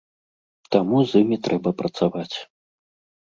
Таму з імі трэба працаваць.